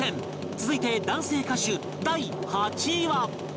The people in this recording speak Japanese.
続いて男性歌手第８位は